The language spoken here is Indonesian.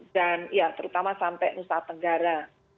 dan ya terutama sampai nusa tenggara